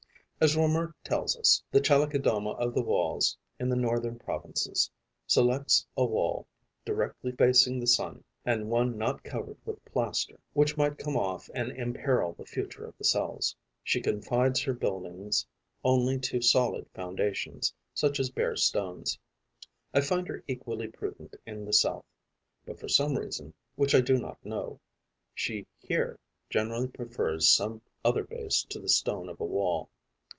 As Reaumur tells us, the Chalicodoma of the Walls in the northern provinces selects a wall directly facing the sun and one not covered with plaster, which might come off and imperil the future of the cells. She confides her buildings only to solid foundations, such as bare stones. I find her equally prudent in the south; but, for some reason which I do not know, she here generally prefers some other base to the stone of a wall.